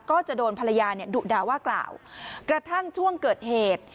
ก็จะโดนภรรยาเนี่ยดุด่าว่ากล่าวกระทั่งช่วงเกิดเหตุ